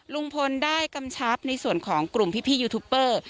ลุงพลได้กำชับในส่วนของกลุ่มพี่ยูทูปเปอร์